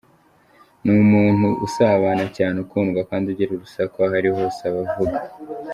Ni umuntu usabana cyane, ukundwa kandi ugira urusaku, aho ari hose aba avuga.